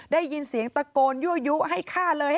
ได้ยินเสียงตะโกนยั่วยุให้ฆ่าเลย